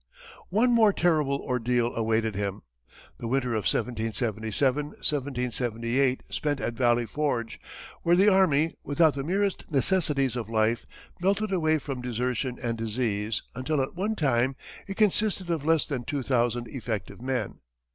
One more terrible ordeal awaited him the winter of 1777 1778 spent at Valley Forge, where the army, without the merest necessities of life, melted away from desertion and disease, until, at one time, it consisted of less than two thousand effective men.